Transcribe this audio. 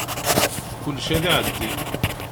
Kulci ad iεeddi.